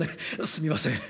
すみません。